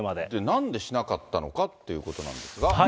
なんでなかったのかっていうことなんですが。